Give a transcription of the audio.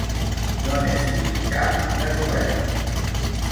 No n'he escrit cap, de novel·la!